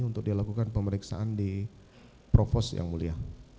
untuk dilakukan pemeriksaan di provos yang mulia